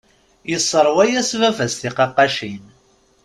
Yesserwa-yas baba-s tiqaqqacin.